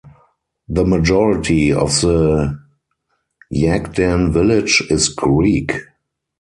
The majority of the Yaghdan village is Greek.